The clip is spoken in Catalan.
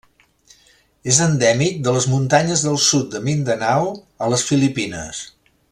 És endèmic de les muntanyes del sud de Mindanao, a les Filipines.